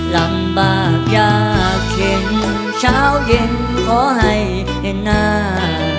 ลำบากยากเข็นเช้าเย็นขอให้เห็นหน้า